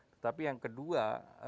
tetapi yang kedua